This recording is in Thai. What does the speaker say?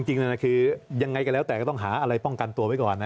จริงคือยังไงก็แล้วแต่ก็ต้องหาอะไรป้องกันตัวไว้ก่อนนะ